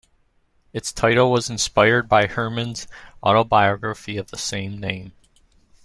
Its title was inspired by Herman's autobiography of the same name.